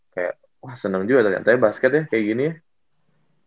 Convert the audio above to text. kayak wah seneng juga ternyata basketnya kayak gini ya